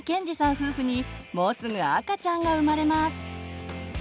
夫婦にもうすぐ赤ちゃんが生まれます。